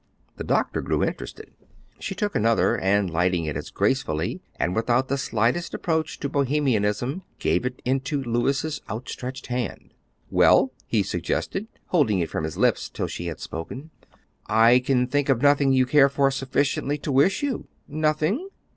The doctor grew interested. She took another, and lighting it as gracefully, and without the slightest approach to Bohemianism, gave it into Louis's outstretched hand. "Well?" he suggested, holding it from his lips till she had spoken. "I can think of nothing you care for sufficiently to wish you." "Nothing?"